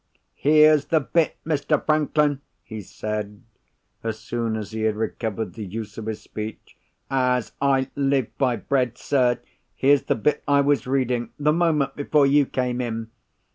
"Here's the bit, Mr. Franklin!" he said, as soon as he had recovered the use of his speech. "As I live by bread, sir, here's the bit I was reading, the moment before you came in!